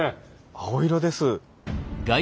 青色です。